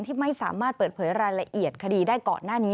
ที่ไม่สามารถเปิดเผยรายละเอียดคดีได้ก่อนหน้านี้